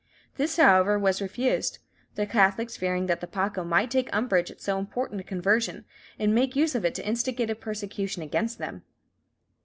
This, however, was refused, the Catholics fearing that the pacha might take umbrage at so important a conversion, and make use of it to instigate a persecution against them.